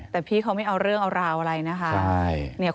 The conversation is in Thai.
แต่พี่เขาไม่เอาเรื่องเอาราวอะไรนะคะ